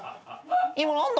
今何だ？